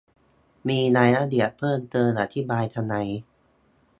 มีรายละเอียดเพิ่มเติมอธิบายสไลด์